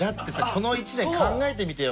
この一年考えてみてよ